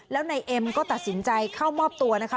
แล้วนายเอ็มก็ตัดสินใจเข้ามอบตัวนะคะ